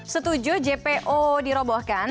setuju jpo dirobohkan